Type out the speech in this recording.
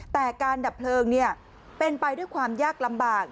แต่การดับเพลิงเป็นไปด้วยความยากลำบาก